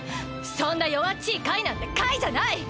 そんなよわっちいカイなんてカイじゃない！